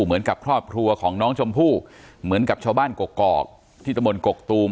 เหมือนกับครอบครัวของน้องชมพู่เหมือนกับชาวบ้านกกอกที่ตะมนตกกตูม